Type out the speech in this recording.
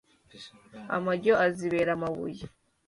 amajyo azayibera amabuye